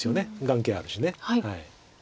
眼形あるし。